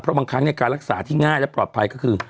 เพราะบางครั้งการรักษาที่ง่ายและปลอดภัยก็คือ